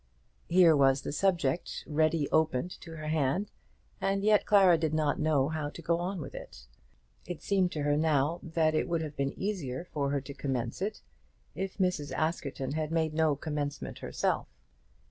Here was the subject ready opened to her hand, and yet Clara did not know how to go on with it. It seemed to her now that it would have been easier for her to commence it, if Mrs. Askerton had made no commencement herself.